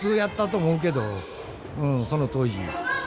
うんその当時。